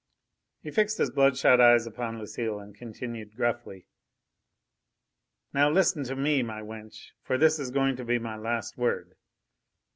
He fixed his blood shot eyes upon Lucile and continued gruffly: "Now listen to me, my wench, for this is going to be my last word.